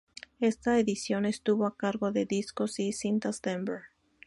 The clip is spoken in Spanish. Esta edición estuvo a cargo de Discos y Cintas Denver.